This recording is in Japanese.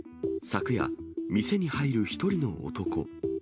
昨夜、店に入る１人の男。